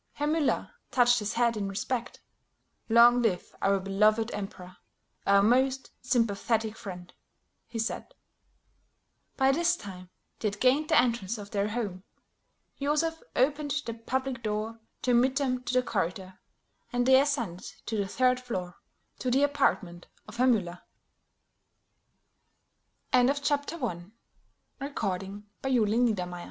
Herr Müller touched his hat in respect. "Long live our beloved emperor, our most sympathetic friend," he said. By this time they had gained the entrance of their home; Joseph opened the public door to admit them to the corridor, and they ascended to the third floor to the apartment of Herr Müller.